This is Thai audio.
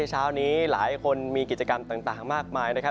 เช้านี้หลายคนมีกิจกรรมต่างมากมายนะครับ